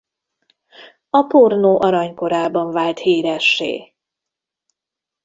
A pornó aranykorában vált híressé.